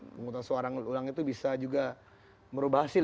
pemungutan suara ulang itu bisa juga merubah hasil